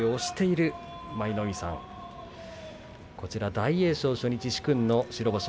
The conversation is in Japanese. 大栄翔、初日、殊勲の白星。